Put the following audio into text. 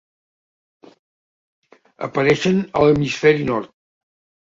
Apareixen a l'hemisferi nord.